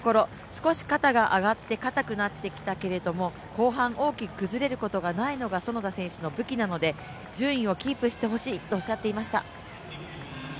少し肩が上がって、硬くなってきたけれども後半大きく崩れることがないのが園田選手の武器なので順位をキープしてほしいとおっしゃってました。